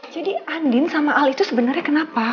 jadi andin sama al itu sebenarnya kenapa